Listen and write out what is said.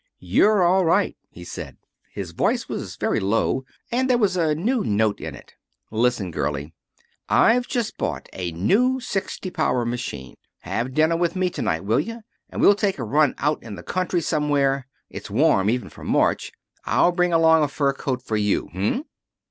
"You're all right!" he said. His voice was very low, and there was a new note in it. "Listen, girlie. I've just bought a new sixty power machine. Have dinner with me to night, will you? And we'll take a run out in the country somewhere. It's warm, even for March. I'll bring along a fur coat for you.